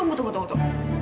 tunggu tunggu tunggu